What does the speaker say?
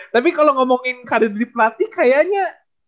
tapi kalo ngomongin karir diri pelatih kayaknya